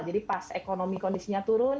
jadi pas ekonomi kondisinya turun